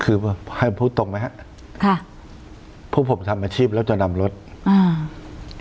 คือให้พูดตรงไหมฮะค่ะพวกผมทำอาชีพแล้วจะนำรถอ่า